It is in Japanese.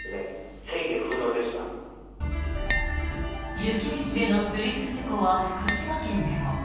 雪道でのスリップ事故は福島県でも。